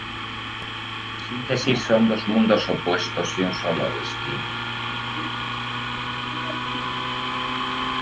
En síntesis, son dos mundos opuestos y un solo destino.